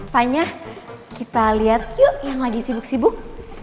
panya kita liat yuk yang lagi sibuk sibuk